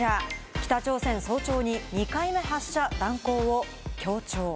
北朝鮮、早朝に２回目発射断行を強調。